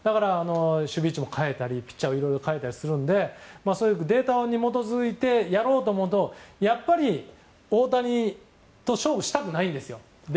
守備位置も代えたりピッチャーもいろいろ代えたりするのでデータに基づいてやろうと思うと、やっぱり大谷と勝負したくないんですよ。